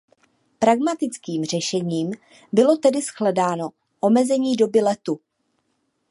Pragmatickým řešením bylo tedy shledáno omezení doby letu.